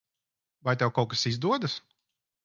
Vai tev kaut kas izdodas?